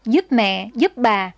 giúp mẹ giúp bà